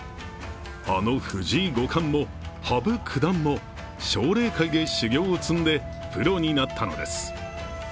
あの藤井五冠も羽生九段も奨励会で修行を積んでプロになったのです。